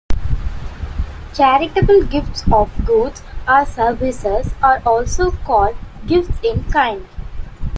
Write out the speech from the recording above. Charitable gifts of goods or services are also called gifts in kind.